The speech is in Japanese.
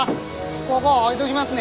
こご置いときますね。